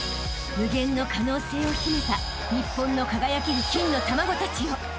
［無限の可能性を秘めた日本の輝ける金の卵たちよ］